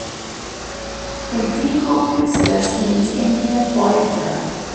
"Indicopleustes" means "Indian voyager".